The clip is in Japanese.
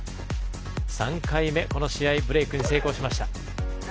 ３回目、この試合ブレークに成功しました。